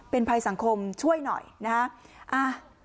เป็นภัยสังคมช่วยหน่อยนะฮะ